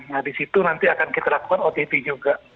nah di situ nanti akan kita lakukan ott juga